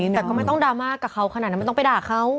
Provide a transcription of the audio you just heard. แต่ก็ไม่ต้องดราม่ากับเขาขนาดนั้นไม่ต้องไปด่าเขา